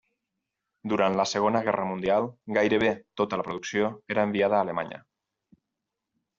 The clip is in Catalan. Durant la segona Guerra Mundial gairebé tota la producció era enviada a Alemanya.